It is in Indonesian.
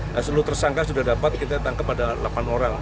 nah seluruh tersangka sudah dapat kita tangkap ada delapan orang